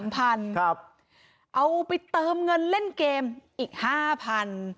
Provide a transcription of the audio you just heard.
๓๐๐๐บาทเอาไปเติมเงินเล่นเกมอีก๕๐๐๐บาท